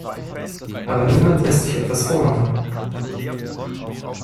Aber niemand lässt sich etwas vormachen!